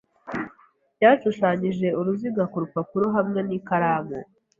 Yashushanyije uruziga ku rupapuro hamwe n'ikaramu.